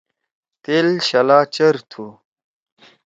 تیل شلہ چیر تھو۔